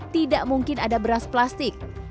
tidak mungkin ada beras plastik